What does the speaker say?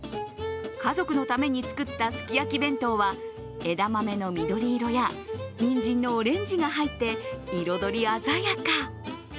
家族のために作ったすき焼き弁当は枝豆の緑色や、にんじんのオレンジが入って、彩り鮮やか。